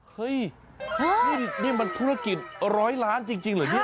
เฮ้ยนี่มันธุรกิจร้อยล้านจริงเหรอพี่